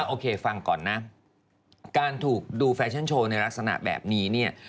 โอเคฟังก่อนนะการถูกดูแฟชั่นโชว์ในลักษณะแบบนี้เนี่ย